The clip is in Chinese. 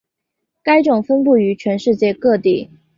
该种分布于全世界各地。